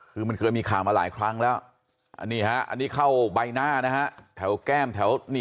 คือมันเคยมีข่าวมาหลายครั้งแล้ว